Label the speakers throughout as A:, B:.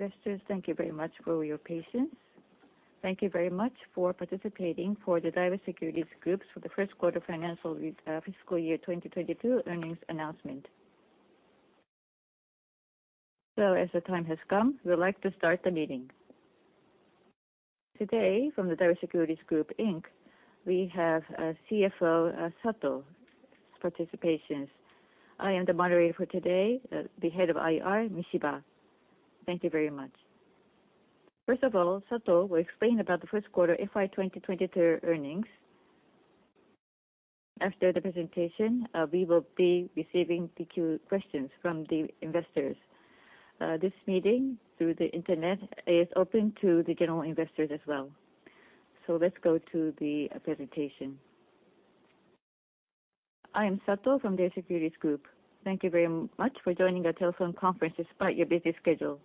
A: Investors, thank you very much for your patience. Thank you very much for participating for the Daiwa Securities Group for the Q1 Fiscal Year 2022 Earnings Announcement. As the time has come, we'd like to start the meeting. Today, from the Daiwa Securities Group Inc., we have CFO Sato's participation. I am the moderator for today, the head of IR, Mishiba. Thank you very much. First of all, Sato will explain about the Q1 FY 2022 earnings. After the presentation, we will be receiving the Q&A questions from the investors. This meeting through the Internet is open to the general investors as well. Let's go to the presentation.
B: I am Sato from Daiwa Securities Group. Thank you very much for joining our telephone conference despite your busy schedule.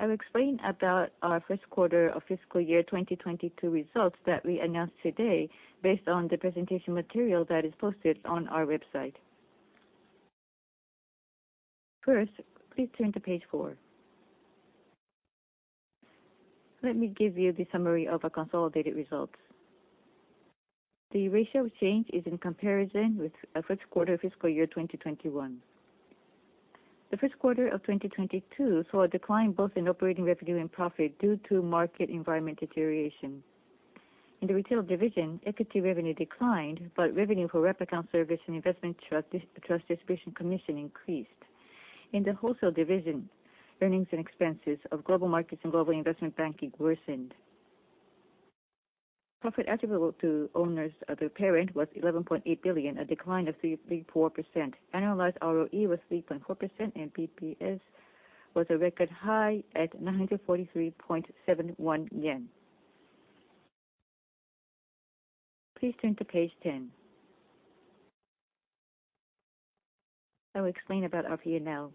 B: I'll explain about our Q1 of fiscal year 2022 results that we announced today based on the presentation material that is posted on our website. First, please turn to page four. Let me give you the summary of our consolidated results. The ratio change is in comparison with our Q1 fiscal year 2021. The Q1 of 2022 saw a decline both in operating revenue and profit due to market environment deterioration. In the Retail Division, equity revenue declined, but revenue for wrap account service and investment trust distribution commission increased. In the Wholesale Division, earnings and expenses of Global Markets and Global Investment Banking worsened. Profit attributable to owners of the parent was 11.8 billion, a decline of 34%. Annualized ROE was 3.4%, and basis points was a record high at 943.71 yen. Please turn to page 10. I will explain about our P&L.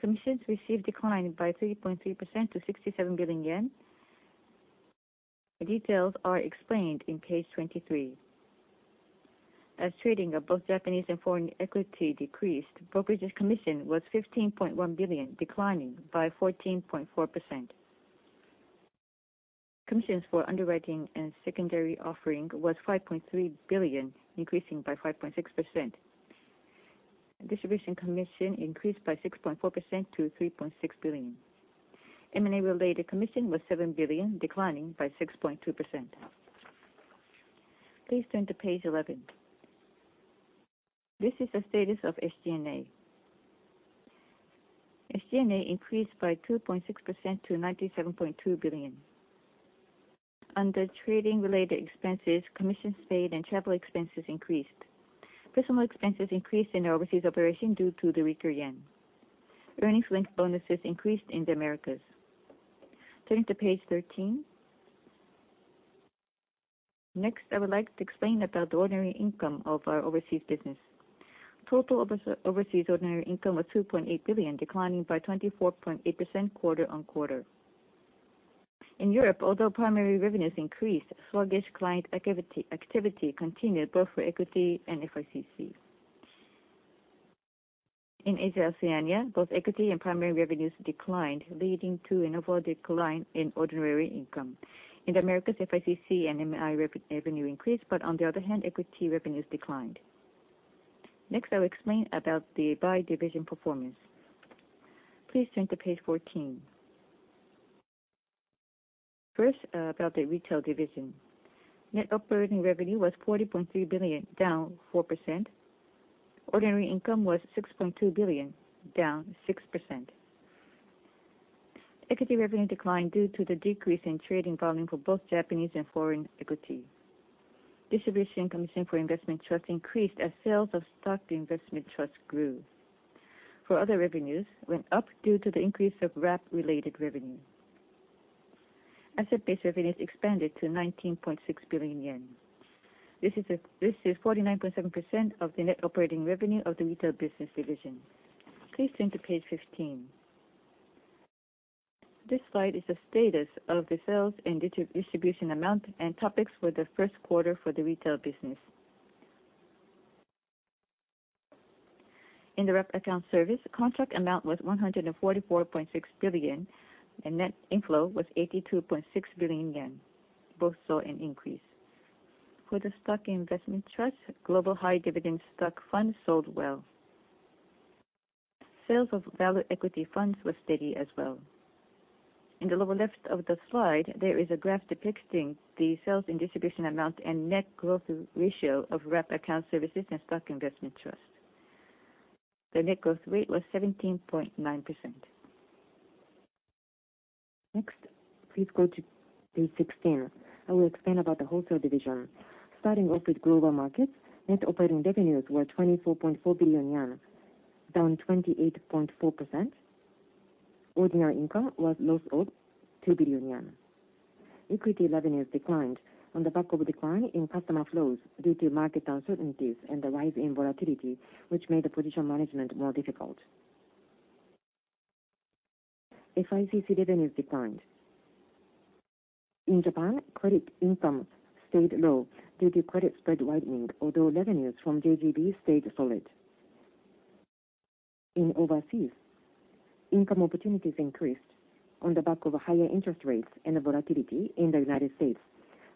B: Commissions received declined by 3.3% to 67 billion yen. The details are explained in page 23. As trading of both Japanese and foreign equity decreased, brokerage commission was 15.1 billion, declining by 14.4%. Commissions for underwriting and secondary offering was 5.3 billion, increasing by 5.6%. Distribution commission increased by 6.4% to 3.6 billion. M&A-related commission was 7 billion, declining by 6.2%. Please turn to page 11. This is the status of SG&A. SG&A increased by 2.6% to 97.2 billion. Under trading-related expenses, commissions paid and travel expenses increased. Personal expenses increased in our overseas operation due to the weaker yen. Earnings-linked bonuses increased in the Americas. Turn to page 13. Next, I would like to explain about the ordinary income of our overseas business. Total overseas ordinary income was 2.8 billion, declining by 24.8% quarter-on-quarter. In Europe, although primary revenues increased, sluggish client activity continued both for equity and FICC. In Asia Oceania, both equity and primary revenues declined, leading to an overall decline in ordinary income. In the Americas, FICC and M&A revenue increased, but on the other hand, equity revenues declined. Next, I'll explain about the by-division performance. Please turn to page 14. First, about the Retail Division. Net operating revenue was 40.3 billion, down 4%. Ordinary income was 6.2 billion, down 6%. Equity revenue declined due to the decrease in trading volume for both Japanese and foreign equity. Distribution commission for investment trust increased as sales of stock investment trust grew. Other revenues went up due to the increase of wrap-related revenue. Asset-based revenues expanded to 19.6 billion yen. This is 49.7% of the net operating revenue of the Retail Division. Please turn to page 15. This slide is the status of the sales and distribution amount and topics for the Q1 for the retail business. In the wrap account service, contract amount was JPY 144.6 billion, and net inflow was 82.6 billion yen. Both saw an increase. For the stock investment trust, global high dividend stock funds sold well. Sales of value equity funds were steady as well. In the lower left of the slide, there is a graph depicting the sales and distribution amount and net growth ratio of wrap account services and stock investment trust. The net growth rate was 17.9%. Next, please go to page 16. I will explain about the Wholesale Division. Starting off with Global Markets, net operating revenues were 24.4 billion yen, down 28.4%. Ordinary income was loss of 2 billion yen. Equity revenues declined on the back of a decline in customer flows due to market uncertainties and the rise in volatility, which made the position management more difficult. FICC revenues declined. In Japan, credit income stayed low due to credit spread widening, although revenues from JGB stayed solid. Overseas, income opportunities increased on the back of higher interest rates and the volatility in the United States,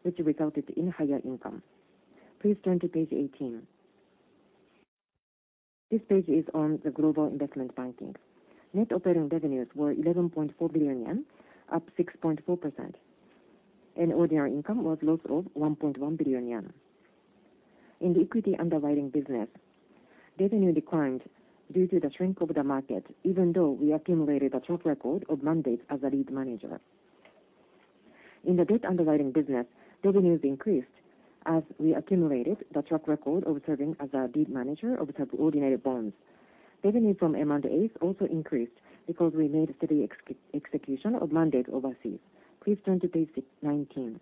B: which resulted in higher income. Please turn to page 18. This page is on the Global Investment Banking. Net operating revenues were 11.4 billion yen, up 6.4%, and ordinary income was a loss of 1.1 billion yen. In the equity underwriting business, revenue declined due to the shrink of the market, even though we accumulated a track record of mandates as a lead manager. In the debt underwriting business, revenues increased as we accumulated the track record of serving as a lead manager of subordinated bonds. Revenue from M&As also increased because we made a steady execution of mandates overseas. Please turn to page 19.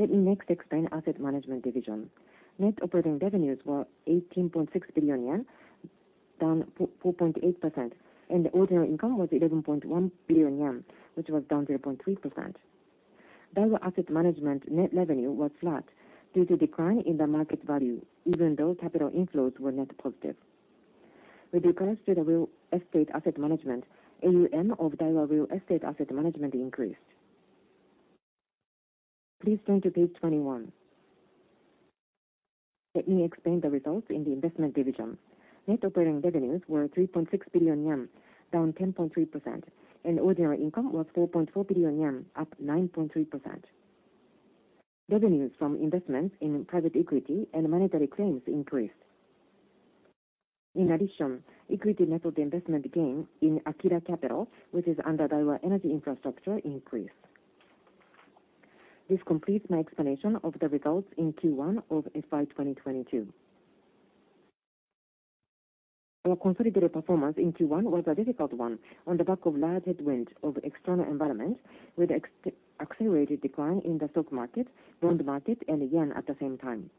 B: Let me next explain Asset Management Division. Net operating revenues were 18.6 billion yen, down 4.8%, and ordinary income was 11.1 billion yen, which was down 0.3%. Daiwa Asset Management net revenue was flat due to decline in the market value even though capital inflows were net positive. With regards to the real estate asset management, AUM of Daiwa Real Estate Asset Management increased. Please turn to page 21. Let me explain the results in the Investment Division. Net operating revenues were 3.6 billion yen, down 10.3%, and ordinary income was 4.4 billion yen, up 9.3%. Revenues from investments in private equity and monetary claims increased. In addition, equity net of the investment gain in Aquila Capital, which is under Daiwa Energy & Infrastructure, increased. This completes my explanation of the results in Q1 of FY2022. Our consolidated performance in Q1 was a difficult one on the back of large headwinds of external environments with accelerated decline in the stock market, bond market, and yen at the same time.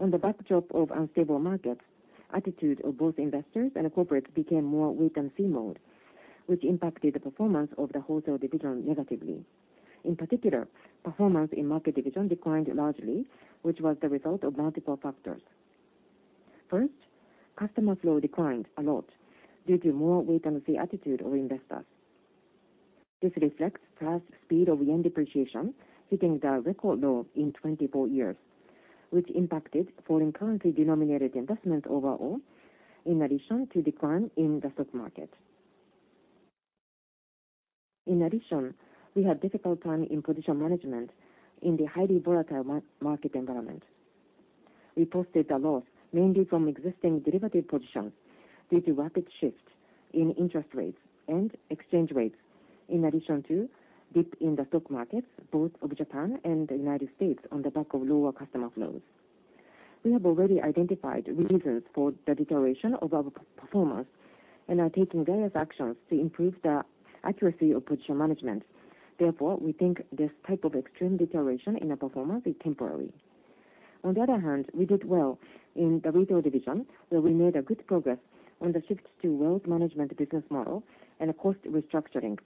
B: Against the backdrop of unstable markets, attitude of both investors and corporates became more wait-and-see mode, which impacted the performance of the Wholesale Division negatively. In particular, performance in Market Division declined largely, which was the result of multiple factors. First, customer flow declined a lot due to more wait-and-see attitude of investors. This reflects fast speed of yen depreciation hitting the record low in 24 years, which impacted foreign currency denominated investment overall, in addition to decline in the stock market. In addition, we had difficult time in position management in the highly volatile market environment. We posted a loss mainly from existing derivative positions due to rapid shifts in interest rates and exchange rates, in addition to dip in the stock markets, both of Japan and the United States, on the back of lower customer flows. We have already identified reasons for the deterioration of our performance and are taking various actions to improve the accuracy of position management. Therefore, we think this type of extreme deterioration in our performance is temporary. On the other hand, we did well in the Retail Division, where we made a good progress on the shift to wealth management business model and a cost restructuring,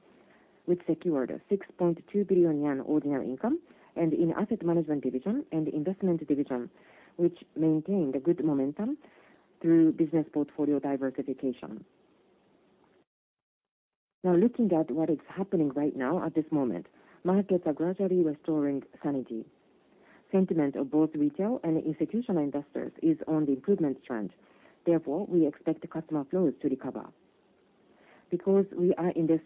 B: which secured a 6.2 billion yen ordinary income, and in Asset Management Division and Investment Division, which maintained a good momentum through business portfolio diversification. Now looking at what is happening right now at this moment, markets are gradually restoring sanity. Sentiment of both retail and institutional investors is on the improvement trend, therefore, we expect customer flows to recover. Because we are in this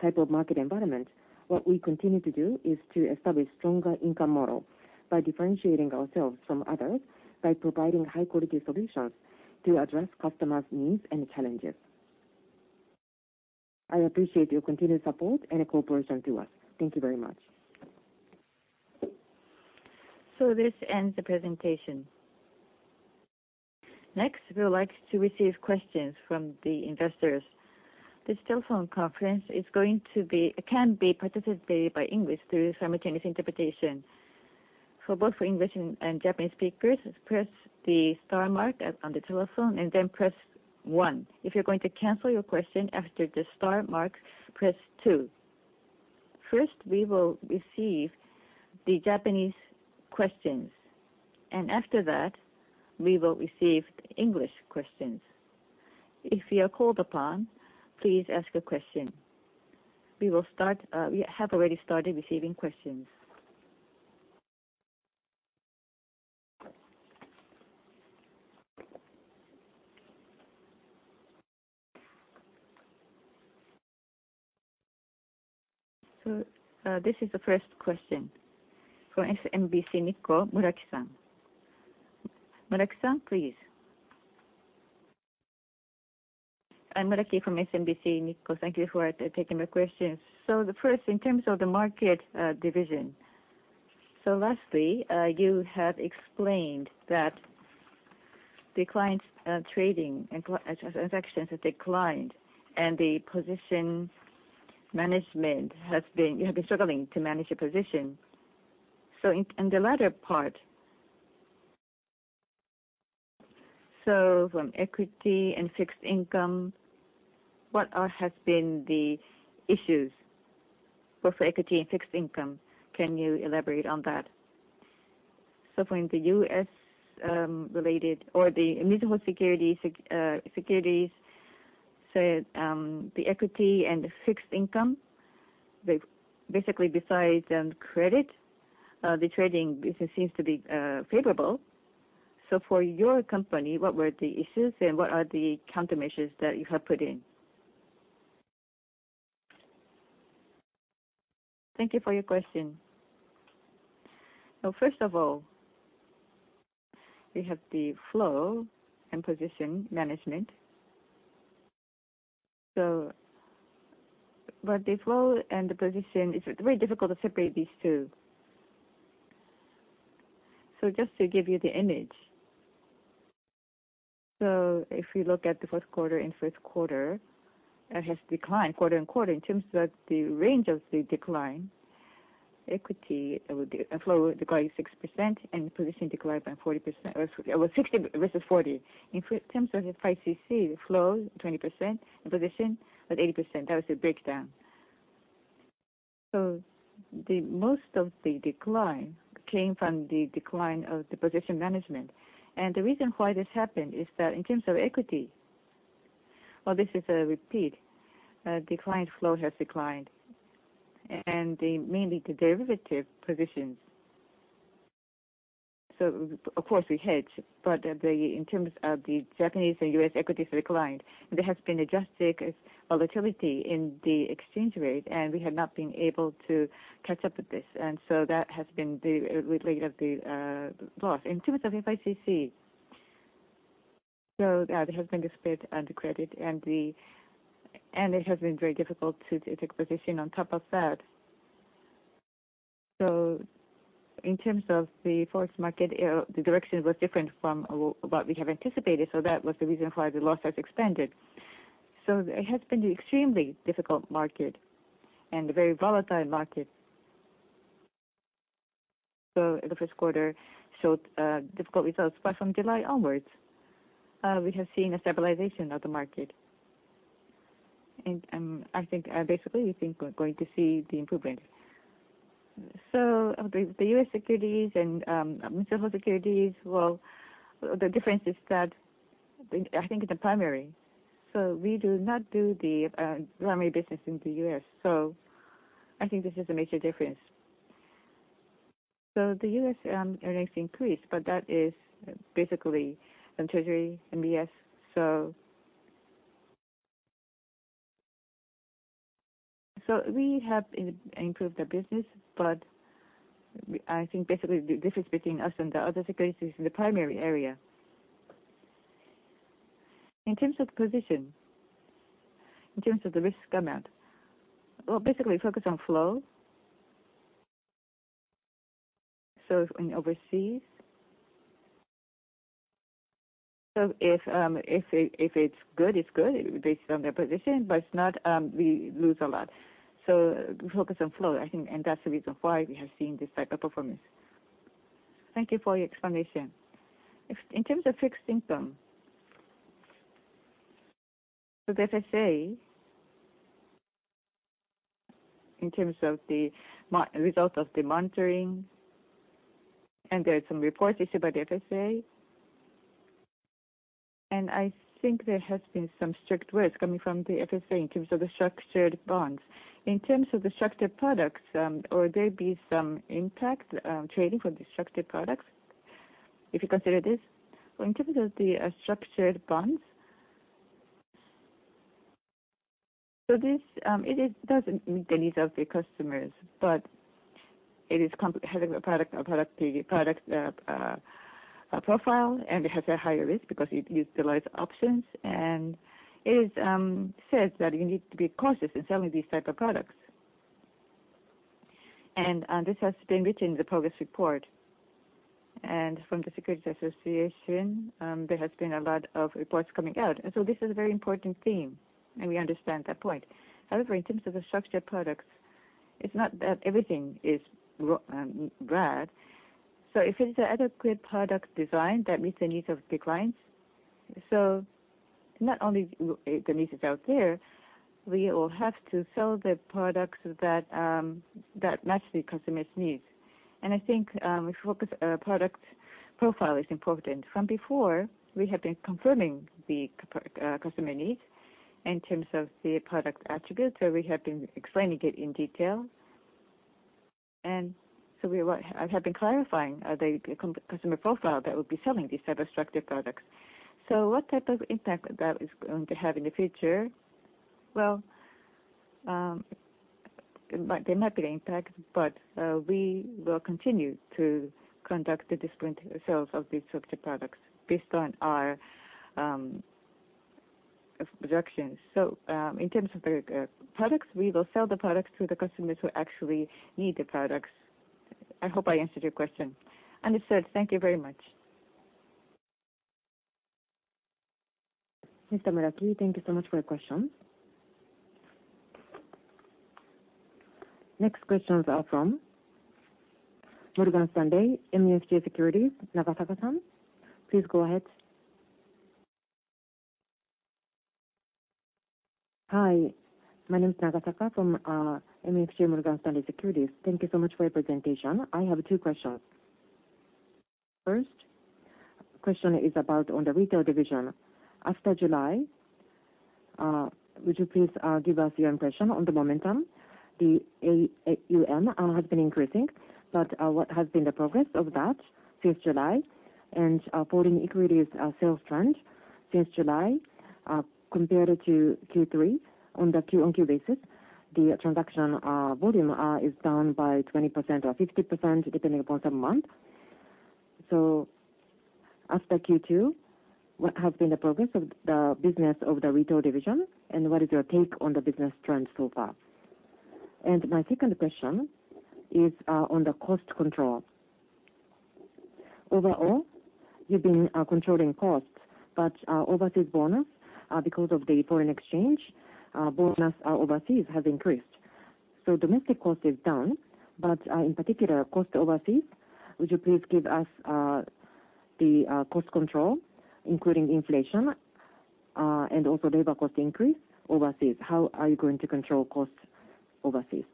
B: type of market environment, what we continue to do is to establish stronger income model by differentiating ourselves from others, by providing high quality solutions to address customers' needs and challenges. I appreciate your continued support and cooperation to us. Thank you very much.
A: This ends the presentation. Next, we would like to receive questions from the investors. This telephone conference can be participated by English through simultaneous interpretation. For both English and Japanese speakers, press the star mark on the telephone and then press one. If you're going to cancel your question after the star mark, press two. First, we will receive the Japanese questions, and after that, we will receive the English questions. If you are called upon, please ask a question. We have already started receiving questions. This is the first question from SMBC Nikko, Muraki-san. Muraki-san, please.
C: Muraki from SMBC Nikko. Thank you for taking my questions. The first, in terms of the Market Division. Last, you have explained that the clients' trading and class actions have declined and the position management has been struggling to manage your position. In the latter part from equity and fixed income, what has been the issues both for equity and fixed income? Can you elaborate on that? In the U.S. related to the municipal securities, the equity and the fixed income, they've basically besides credit, the trading business seems to be favorable. For your company, what were the issues and what are the countermeasures that you have put in?
B: Thank you for your question. First of all, we have the flow and position management. But the flow and the position, it's very difficult to separate these two. Just to give you the image, if you look at the Q1, that has declined quarter-on-quarter. In terms of the range of the decline, equity flow declined 60% and position declined by 40% or it was 60 versus 40. In terms of the FICC, the flow 20% and position was 80%. That was the breakdown. Most of the decline came from the decline of the position management. The reason why this happened is that in terms of equity, well, this is a repeat, flow has declined and mainly the derivative positions. Of course we hedge, but in terms of the Japanese and U.S. equities declined, there has been a drastic volatility in the exchange rate, and we have not been able to catch up with this. That has been the cause of the loss. In terms of FICC, there has been a split on the credit and the rates. It has been very difficult to take position on top of that. In terms of the forex market, the direction was different from what we have anticipated, so that was the reason why the loss has expanded. It has been extremely difficult market and a very volatile market. The Q1 showed difficult results, but from July onwards, we have seen a stabilization of the market. I think basically we think we're going to see the improvement. The U.S. securities and municipal securities, well, the difference is that I think the primary, we do not do the primary business in the U.S., I think this is a major difference. The U.S. earnings increased, but that is basically in treasury MBS. We have improved the business, but I think basically the difference between us and the other securities in the primary area. In terms of position, in terms of the risk amount, well, basically focus on flow. In overseas, if it's good, it's good based on their position, but it's not, we lose a lot. Focus on flow, I think, and that's the reason why we have seen this type of performance.
C: Thank you for your explanation. If, in terms of fixed income, FSA, in terms of the result of the monitoring, and there are some reports issued by the FSA, and I think there has been some strict words coming from the FSA in terms of the structured bonds. In terms of the structured products, will there be some impact on trading for the structured products if you consider this?
B: Well, in terms of the structured bonds, this it doesn't meet the needs of the customers, but it is complex having a product profile, and it has a higher risk because it utilize options, and it says that you need to be cautious in selling these type of products. This has been written in the progress report. From the Japan Securities Dealers Association, there has been a lot of reports coming out. This is a very important theme, and we understand that point. However, in terms of the structured products, it's not that everything is bad. If it is an adequate product design that meets the needs of the clients, not only the needs is out there, we will have to sell the products that match the customer's needs. I think we focus, product profile is important. From before, we have been confirming the customer needs in terms of the product attributes, so we have been explaining it in detail. We have been clarifying the customer profile that would be selling these type of structured products. What type of impact that is going to have in the future? Well, but there might be an impact, but, we will continue to conduct the disciplined sales of these structured products based on our projections. In terms of the products, we will sell the products to the customers who actually need the products. I hope I answered your question.
C: Understood. Thank you very much.
A: Mr. Muraki, thank you so much for your question. Next question is from Mitsubishi UFJ Morgan Stanley Securities, Nagasaka-san. Please go ahead.
D: Hi. My name is Nagasaka from Mitsubishi UFJ Morgan Stanley Securities. Thank you so much for your presentation. I have two questions. First question is about the Retail Division. After July, would you please give us your impression on the momentum? The AUM has been increasing, but what has been the progress of that since July? And foreign equities sales trend since July, compared to Q3 on the Q-on-Q basis, the transaction volume is down by 20% or 50% depending upon the month. After Q2, what has been the progress of the business of the Retail Division, and what is your take on the business trend so far? My second question is on the cost control. Overall, you've been controlling costs, but overseas bonus, because of the foreign exchange, bonus overseas have increased. Domestic cost is down, but in particular cost overseas, would you please give us the cost control, including inflation and also labor cost increase overseas? How are you going to control costs overseas?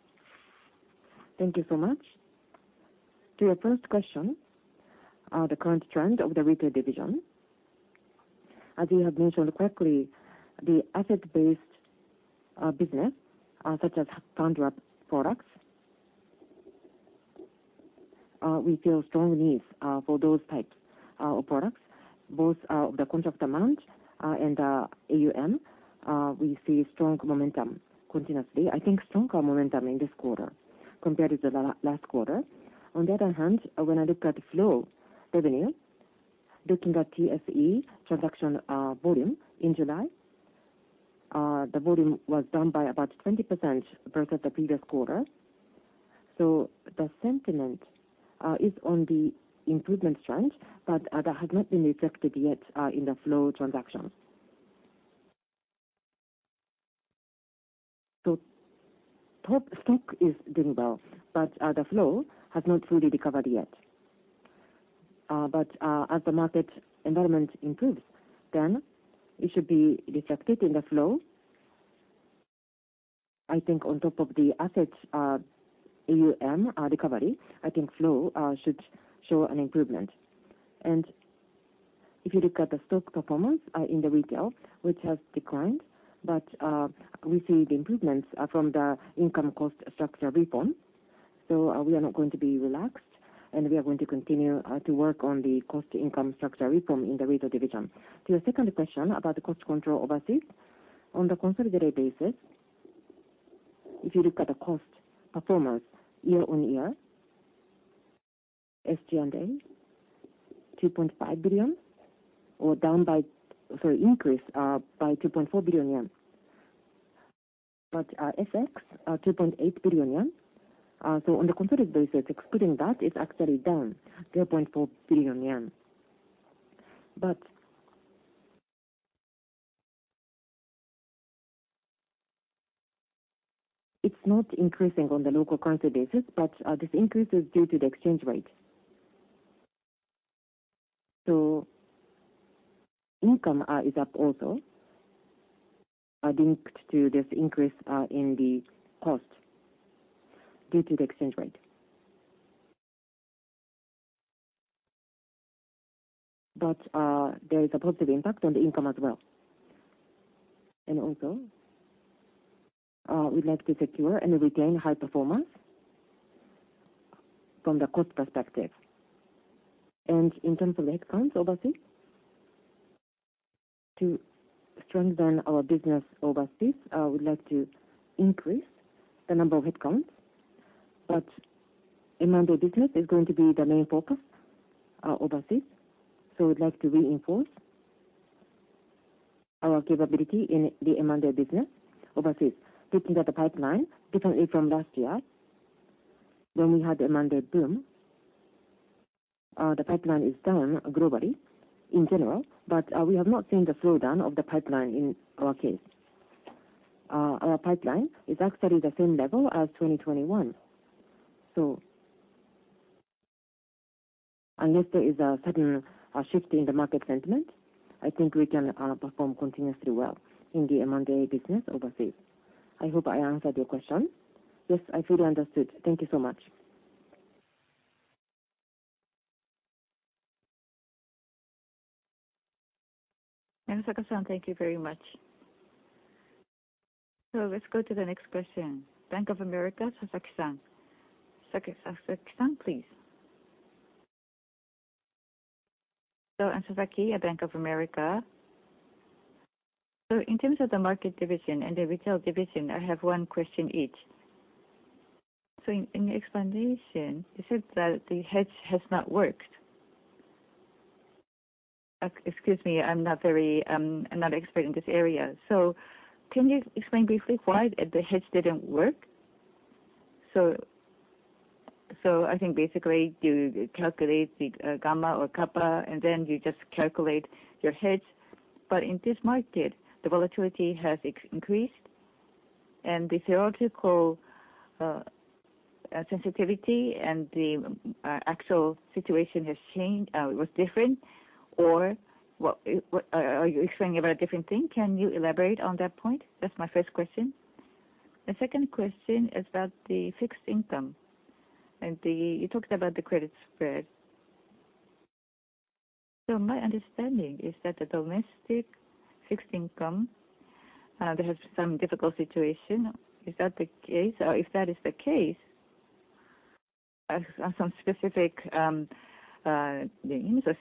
D: Thank you so much.
B: To your first question, the current trend of the Retail Division, as you have mentioned quickly, the asset-based business, such as Fund Wrap products, we feel strong needs for those types of products. Both the contract demand and AUM, we see strong momentum continuously. I think stronger momentum in this quarter compared to the last quarter. On the other hand, when I look at flow revenue, looking at TSE transaction volume in July, the volume was down by about 20% versus the previous quarter. The sentiment is on the improvement trend, but that has not been reflected yet in the flow transactions. TOPIX is doing well, but the flow has not fully recovered yet. As the market environment improves, then it should be reflected in the flow. I think on top of the assets, AUM recovery, I think flow should show an improvement. If you look at the stock performance in the Retail, which has declined, but we see the improvements from the income and cost structure reform. We are not going to be relaxed, and we are going to continue to work on the cost income structure reform in the Retail Division. To your second question about the cost control overseas, on the consolidated basis, if you look at the cost performance year-on-year, SG&A 2.5 billion, increase by 2.4 billion yen. But FX 2.8 billion yen. On the consolidated basis, excluding that, it's actually down 2.4 billion yen. But it's not increasing on the local currency basis, but this increase is due to the exchange rate. Income is up also, linked to this increase in the cost due to the exchange rate. But there is a positive impact on the income as well. Also, we'd like to secure and retain high performance from the cost perspective. In terms of the headcounts overseas, to strengthen our business overseas, we'd like to increase the number of headcounts, but M&A business is going to be the main focus, overseas. We'd like to reinforce our capability in the M&A business overseas. Looking at the pipeline, differently from last year when we had the M&A boom, the pipeline is down globally in general, but, we have not seen the slowdown of the pipeline in our case. Our pipeline is actually the same level as 2021. Unless there is a sudden, shift in the market sentiment, I think we can, perform continuously well in the M&A business overseas. I hope I answered your question.
D: Yes, I fully understood. Thank you so much.
A: Nagasaka-san, thank you very much. Let's go to the next question. Bank of America, Sasaki-san. Sasaki-san, please.
E: I'm Sasaki at Bank of America. In terms of the Market Division and the Retail Division, I have one question each. In your explanation, you said that the hedge has not worked. Excuse me, I'm not very. I'm not expert in this area. Can you explain briefly why the hedge didn't work? I think basically you calculate the gamma or kappa, and then you just calculate your hedge. In this market, the volatility has increased, and the theoretical sensitivity and the actual situation has changed, was different. Or what are you explaining about a different thing? Can you elaborate on that point? That's my first question. The second question is about the fixed income and the, you talked about the credit spread. My understanding is that the domestic fixed income, there has some difficult situation. Is that the case? Or if that is the case, some specific names or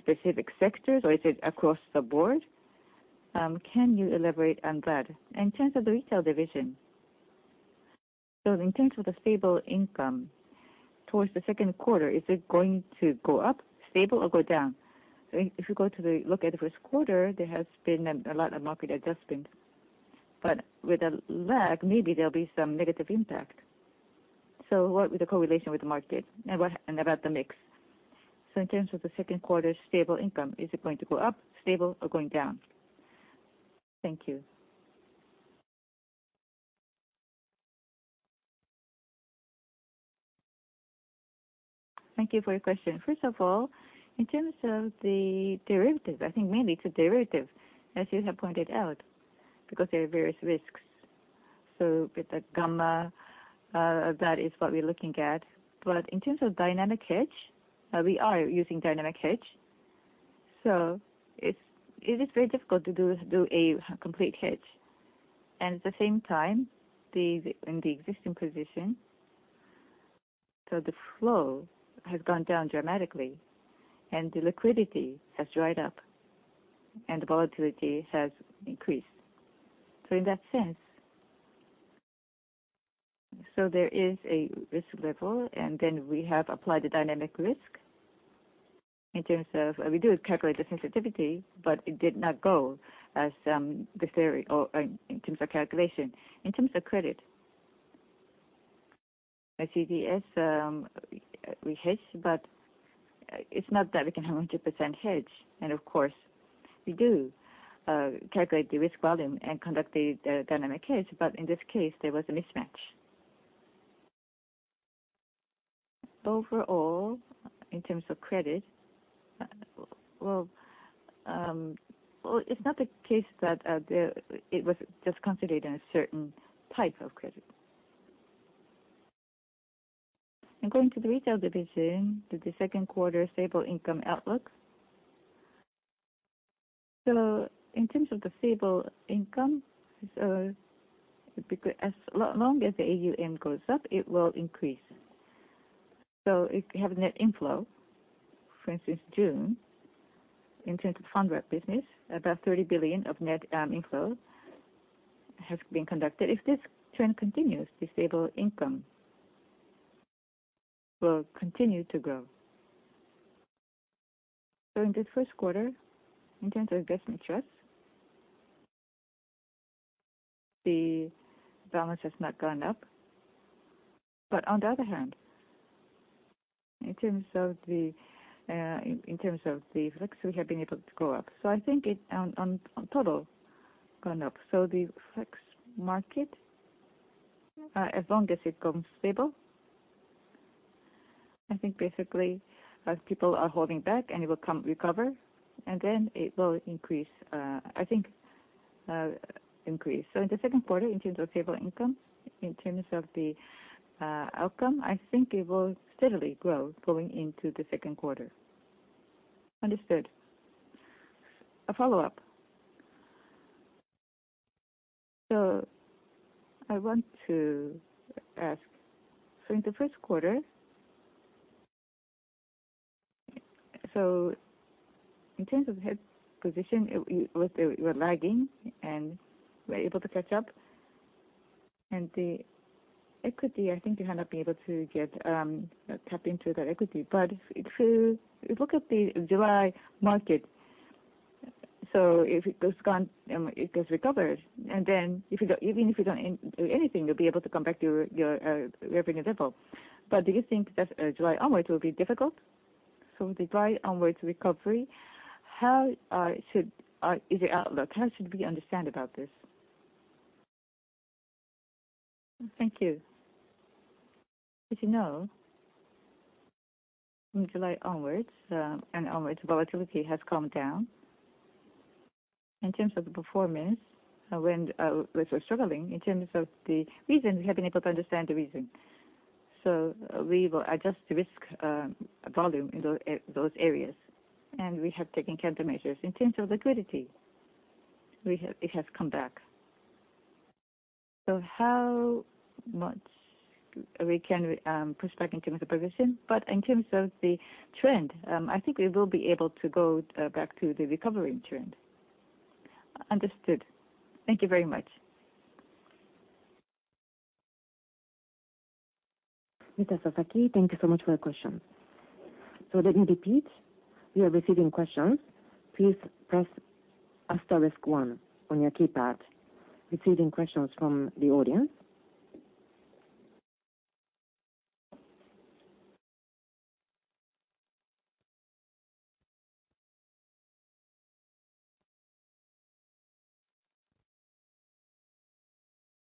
E: specific sectors? Or is it across the board? Can you elaborate on that? In terms of the Retail Division, in terms of the stable income towards the second quarter, is it going to go up, stable, or go down? If you look at the Q1, there has been a lot of market adjustments. With a lag, maybe there'll be some negative impact. What would the correlation with the market and what and about the mix? In terms of the Q2 stable income, is it going to go up, stable, or going down? Thank you.
B: Thank you for your question. First of all, in terms of the derivative, I think mainly it's a derivative, as you have pointed out, because there are various risks. With the gamma, that is what we're looking at. In terms of dynamic hedge, we are using dynamic hedge. It is very difficult to do a complete hedge. At the same time, in the existing position, the flow has gone down dramatically, and the liquidity has dried up, and the volatility has increased. In that sense, there is a risk level, and then we have applied the dynamic risk in terms of we do calculate the sensitivity, but it did not go as the theory or in terms of calculation. In terms of credit, as CDS, we hedge, but it's not that we can have a 100% hedge. Of course, we do calculate the risk volume and conduct the dynamic hedge. In this case, there was a mismatch. Overall, in terms of credit, well, it's not the case that there it was just concentrated in a certain type of credit. Going to the Retail Division, to the Q2 stable income outlook. In terms of the stable income, as long as the AUM goes up, it will increase. If you have net inflow, for instance, June, in terms of Fund Wrap business, about 30 billion of net inflow has been conducted. If this trend continues, the stable income will continue to grow. In the Q1, in terms of investment trust, the balance has not gone up. On the other hand, in terms of the FX, we have been able to go up. I think it overall gone up. The FX market, as long as it comes stable, I think basically as people are holding back and it will recover, and then it will increase. In the Q2, in terms of stable income, in terms of the income, I think it will steadily grow going into the Q2.
E: Understood. A follow-up. I want to ask, in the Q1, in terms of hedge position, we're lagging and we're able to catch up. The equity, I think you have not been able to tap into that equity. If you look at the July market, if it has recovered, and then even if you don't do anything, you'll be able to come back to your original level. Do you think that July onwards will be difficult? From July onwards recovery, how is the outlook? How should we understand about this?
B: Thank you. As you know, in July onwards, volatility has calmed down. In terms of the performance, when we were struggling, in terms of the reasons, we have been able to understand the reason. We will adjust the risk volume in those areas, and we have taken countermeasures. In terms of liquidity, it has come back. How much we can push back in terms of progression, but in terms of the trend, I think we will be able to go back to the recovering trend.
E: Understood. Thank you very much.
A: Mr. Sasaki, thank you so much for your question. Let me repeat. We are receiving questions. Please press asterisk one on your keypad. Receiving questions from the audience.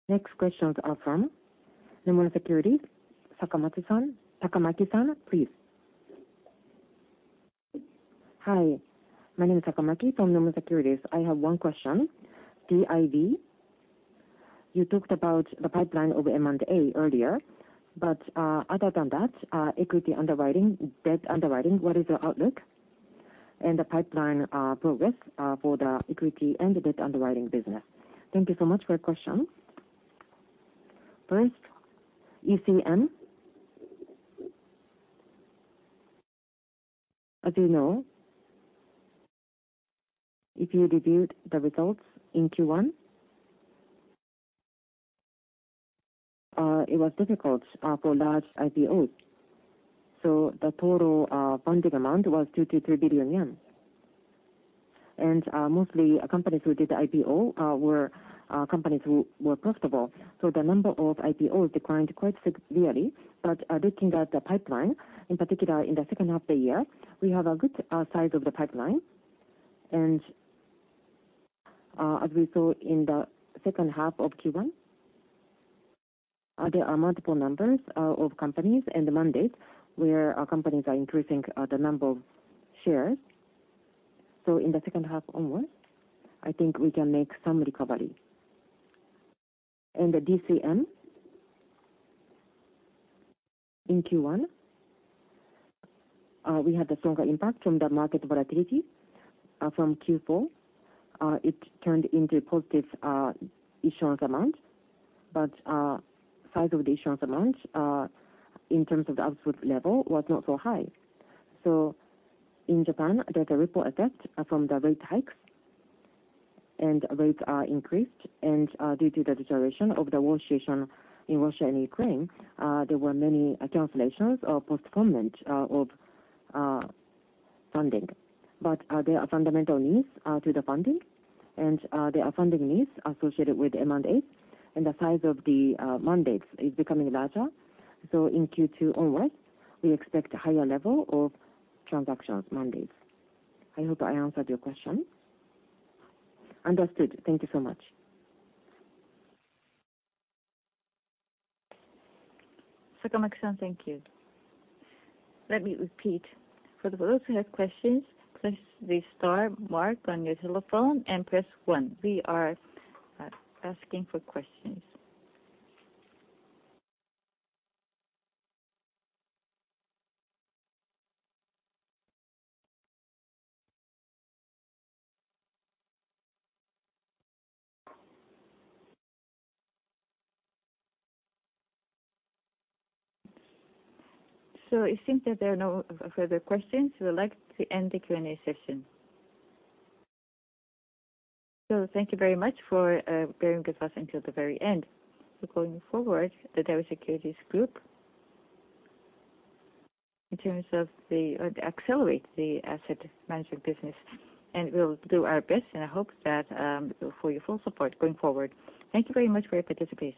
A: Next questions are from Nomura Securities, Sakamaki-san. Sakamaki-san, please.
F: Hi, my name is Sakamaki from Nomura Securities. I have one question. GIB, you talked about the pipeline of M&A earlier, but, other than that, equity underwriting, debt underwriting, what is your outlook and the pipeline, progress, for the equity and the debt underwriting business?
B: Thank you so much for your question. First, ECM. As you know, if you reviewed the results in Q1, it was difficult for large IPOs, so the total funding amount was 2 billion-3 billion yen. Mostly companies who did IPO were companies who were profitable. The number of IPOs declined quite significantly. Looking at the pipeline, in particular in the second half the year, we have a good size of the pipeline. As we saw in the second half of Q1, there are multiple numbers of companies and mandates where our companies are increasing the number of shares. In the second half onwards, I think we can make some recovery. The DCM, in Q1, we had a stronger impact from the market volatility from Q4. It turned into a positive issuance amount. Size of the issuance amount in terms of the output level was not so high. In Japan there's a ripple effect from the rate hikes and rates are increased and, due to the deterioration of the war situation in Russia and Ukraine, there were many cancellations or postponement of funding. There are fundamental needs to the funding and there are funding needs associated with M&As and the size of the mandates is becoming larger. In Q2 onwards, we expect a higher level of transactions mandates. I hope I answered your question.
F: Understood. Thank you so much.
A: Sakamaki-san, thank you. Let me repeat. For those who have questions, press the star mark on your telephone and press One. We are asking for questions. It seems that there are no further questions. We would like to end the Q&A session. Thank you very much for bearing with us until the very end.
B: Going forward, the Daiwa Securities Group, in terms of accelerating the asset management business, and we'll do our best, and I hope for your full support going forward. Thank you very much for your participation.